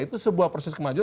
itu sebuah proses kemajuan